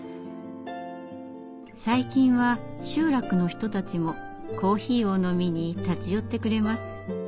最近は集落の人たちもコーヒーを飲みに立ち寄ってくれます。